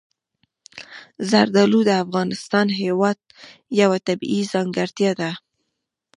زردالو د افغانستان هېواد یوه طبیعي ځانګړتیا ده.